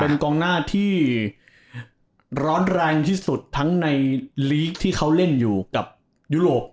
เป็นกองหน้าที่ร้อนแรงที่สุดทั้งในลีกที่เขาเล่นอยู่กับยุโรป